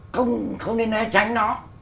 không nên né tránh nó